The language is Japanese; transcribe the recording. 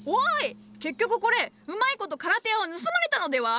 結局これうまいことカラテアを盗まれたのでは？